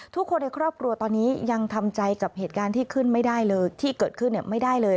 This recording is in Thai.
ทุกคนในครอบครัวตอนนี้ยังทำใจกับเหตุการณ์ที่เกิดขึ้นไม่ได้เลย